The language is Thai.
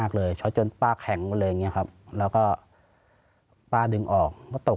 เค้าบอก